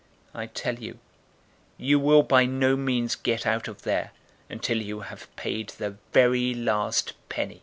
012:059 I tell you, you will by no means get out of there, until you have paid the very last penny.